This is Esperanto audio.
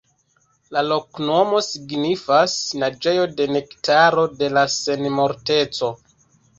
La loknomo signifas: "Naĝejo de Nektaro de la Senmorteco".